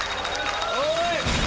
おい！